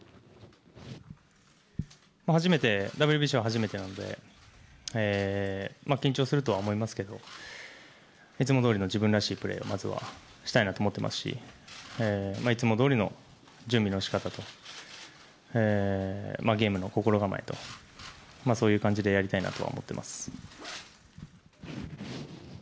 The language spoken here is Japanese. ＷＢＣは初めてなので緊張するとは思いますけどいつもどおりの自分らしいプレーをまずはしたいなと思っていますしいつもどおりの準備の仕方とゲームの心構えとそういう感じでやりたいと思っています。